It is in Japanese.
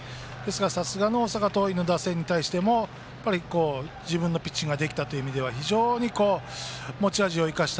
さすがの大阪桐蔭の打線に対しても自分のピッチングができたという点では持ち味を出せた。